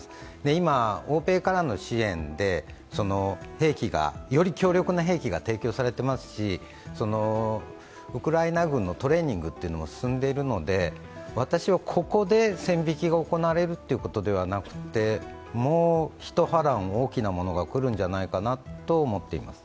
今、欧米からの支援でより強力な兵器が提供されていますしウクライナ軍のトレーニングも進んでいるので私はここで、線引きが行われるということではなくてもう一波乱、大きなものが来るんじゃないかなと思っています。